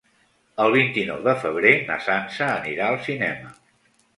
El vint-i-nou de febrer na Sança anirà al cinema.